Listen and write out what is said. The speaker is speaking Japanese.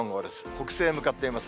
北西へ向かっています。